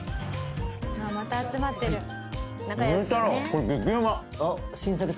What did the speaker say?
また集まってる。